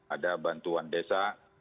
ada bantuan desa